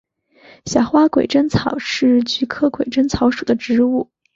小花鬼针草是菊科鬼针草属的植物。